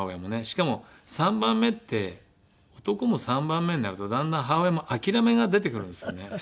しかも３番目って男も３番目になるとだんだん母親も諦めが出てくるんですよね。